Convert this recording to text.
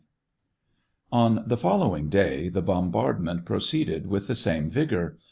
On the following day, the bombardment pro ceeded with the same vigor.